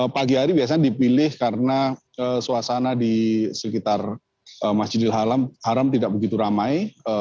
pagi hari biasanya dipilih karena suasana di sekitar masjidil haram tidak begitu ramai